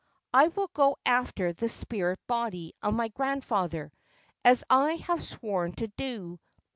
I will go after the spirit body of my grandfather, as I have sworn to do.